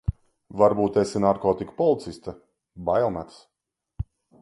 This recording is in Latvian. Varbūt esi narkotiku policiste, bail metas.